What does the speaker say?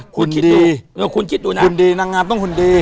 คุณคิดดูคุณคิดดูนะหุ่นดีนางงามต้องหุ่นดี